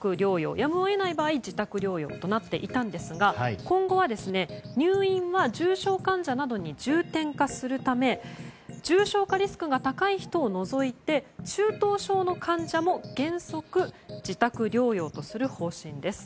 やむを得ない場合は自宅療養となっていたんですが今後は入院は重症患者などに重点化するため重症化リスクが高い人を除いて中等症の患者も原則自宅療養とする方針です。